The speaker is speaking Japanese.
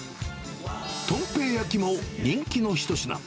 とん平焼きも人気の一品。